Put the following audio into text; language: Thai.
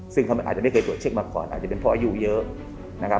ซึ่งเขาอาจจะไม่เคยตรวจเช็คมาก่อนอาจจะเป็นเพราะอายุเยอะนะครับ